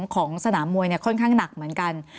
ของสนามมวยค่อนข้างหนักเหมือนกัน